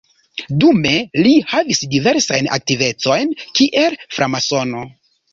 Dume li havis diversajn aktivecojn kiel framasono.